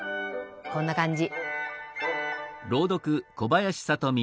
こんな感じ。